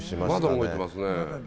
まだ動いてますね。